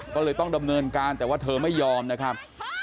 ก็เลยต้องดำเนินการแต่ว่าเธอไม่ยอมนะครับ